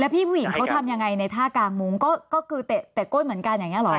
พี่ผู้หญิงเขาทำยังไงในท่ากางมุ้งก็คือเตะก้นเหมือนกันอย่างนี้หรอ